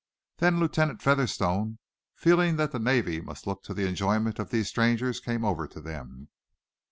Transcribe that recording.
Then Lieutenant Featherstone, feeling that the Navy must look to the enjoyment of these strangers, came over to them.